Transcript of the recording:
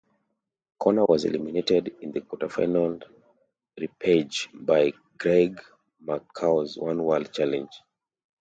Conner was eliminated in the quarter final repechage by Craig McCaw's OneWorld Challenge.